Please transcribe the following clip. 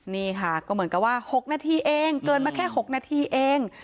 นี่ค่ะก็เหมือนกับว่า๖นาทีเองเกินมาแค่๖นาทีเอง